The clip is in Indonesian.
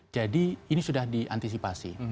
jadi ini sudah diantisipasi